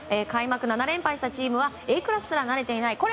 開幕７連敗したチームはＡクラスすらなれていない。